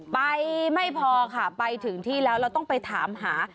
ไปไม่พอค่ะไปถึงที่แล้วเราต้องไปถามหา